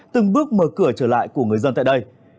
từng bước mở cửa trở lại của người dân tại đây